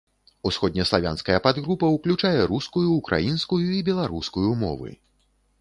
Усходнеславянская падгрупа ўключае рускую, украінскую і беларускую мовы.